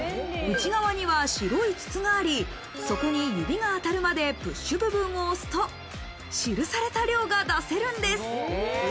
内側には白い筒があり、そこに指が当たるまでプッシュ部分を押すと、記された量が出せるんです。